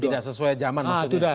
tidak sesuai zaman maksudnya